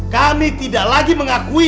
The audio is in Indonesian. kami tidak lagi mengakui